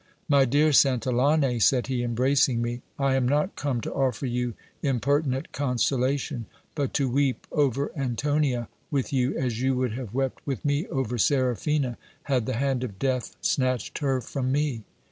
My dear Santillane, said he, embracing me, I am not come to offer you impertinent consolation ; but to weep over Antonia with you, as you would have wept with me over Seraphina, had the hand of death snatched her from me.